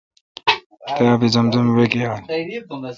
تا آب زمزم وئ گیال۔